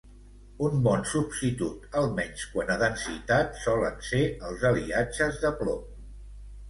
Un bon substitut, almenys quant a densitat, solen ser els aliatges de plom.